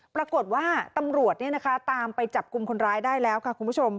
ปรากฏว่าตำรวจตามไปจับกลุ่มคนร้ายได้แล้วค่ะคุณผู้ชม